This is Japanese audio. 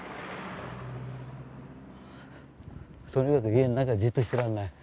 とにかく家の中じっとしていられない。